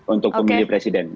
untuk pemilih presiden